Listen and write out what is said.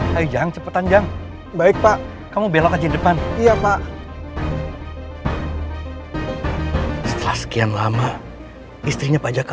hai yang cepetan yang baik pak kamu belok aja depan iya pak setelah sekian lama istrinya pajak